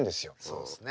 そうですね。